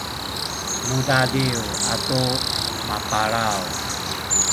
mudadiw atu mapalaw